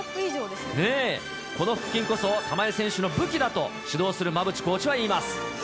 この腹筋こそ、玉井選手の武器だと、指導する馬淵コーチはいいます。